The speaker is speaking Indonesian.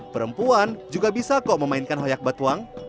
perempuan juga bisa kok memainkan hoyak batuang